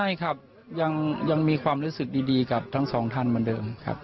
ไม่ครับยังมีความรู้สึกดีกับทั้งสองท่านเหมือนเดิมครับ